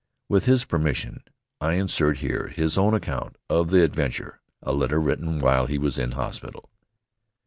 With his permission I insert here his own account of the adventure a letter written while he was in hospital.